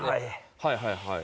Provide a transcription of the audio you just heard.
はいはいはい。